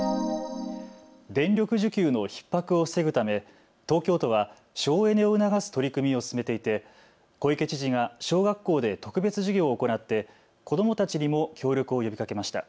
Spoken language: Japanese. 電力需給のひっ迫を防ぐため東京都は省エネを促す取り組みを進めていて小池知事が小学校で特別授業を行って子どもたちにも協力を呼びかけました。